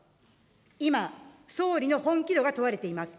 今、総理の本気度が問われています。